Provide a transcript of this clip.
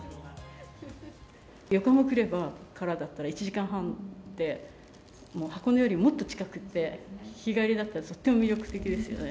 横浜からだったら１時間半で、もう箱根よりもっと近くて、日帰りだったら、とっても魅力的ですよね。